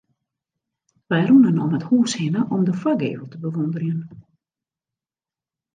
Wy rûnen om it hûs hinne om de foargevel te bewûnderjen.